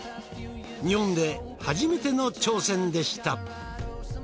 日本で初めての挑戦でした。